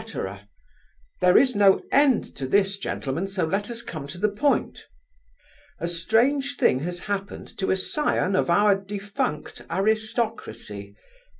there is no end to this, gentlemen, so let us come to the point. A strange thing has happened to a scion of our defunct aristocracy.